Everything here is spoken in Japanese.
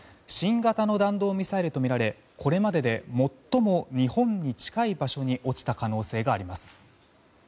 新型の弾道ミサイルとみられこれまでで最も日本に近い場所に落ちた可能性があります。